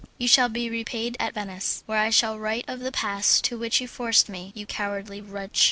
You shall be repaid at Venice, where I shall write of the pass to which you forced me, you cowardly wretch!"